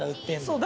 そう。